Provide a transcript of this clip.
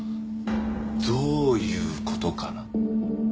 どういう事かな？